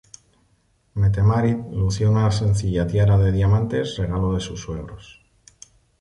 Mette-Marit lució una sencilla tiara de diamantes, regalo de sus suegros.